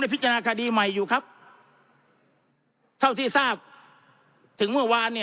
พิจารณาคดีใหม่อยู่ครับเท่าที่ทราบถึงเมื่อวานเนี่ย